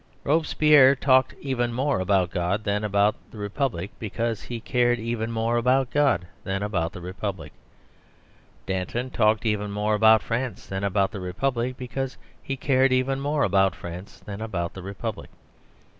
Robespierre talked even more about God than about the Republic because he cared even more about God than about the Republic. Danton talked even more about France than about the Republic because he cared even more about France than about the Republic.